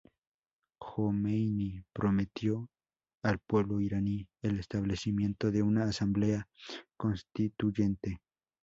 Jomeini prometió al pueblo iraní, el establecimiento de una asamblea constituyente.